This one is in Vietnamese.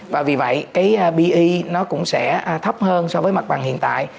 và vì vậy cái be nó cũng sẽ thấp hơn so với mặt bằng hiện tại